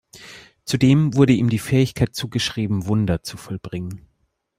Zudem wurde ihm die Fähigkeit zugeschrieben, Wunder zu vollbringen.